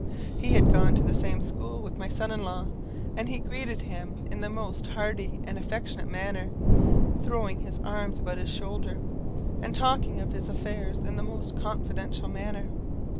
He had gone to the same school with my son in law, and he greeted him in the most hearty and affectionate manner, throwing his arm about his shoulder, and talking of his affairs in the most confidential manner.